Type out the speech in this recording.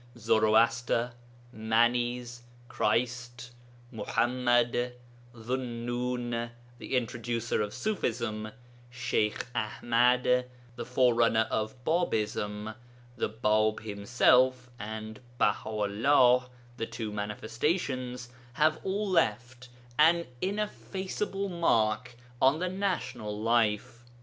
Zoroaster, Manes, Christ, Muḥammad, Dh'u Nun (the introducer of Ṣufism), Sheykh Aḥmad (the forerunner of Babism), the Bāb himself and Baha'ullah (the two Manifestations), have all left an ineffaceable mark on the national life.